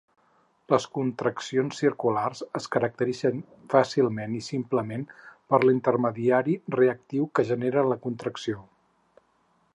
Les contraccions circulars es caracteritzen fàcilment i simplement per l'intermediari reactiu que genera la contracció.